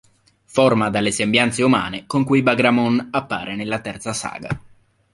Forma dalle sembianze umane con cui Bagramon appare nella terza saga.